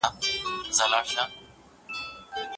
ناتاشا د ژوند په پیل کې ډېره خوشاله نجلۍ وه.